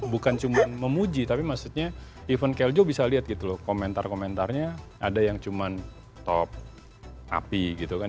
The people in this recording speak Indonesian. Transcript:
bukan cuma memuji tapi maksudnya event keljo bisa lihat gitu loh komentar komentarnya ada yang cuma top api gitu kan